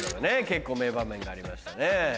結構名場面がありましたね。